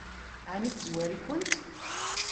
Ɛni tezwar-ikent?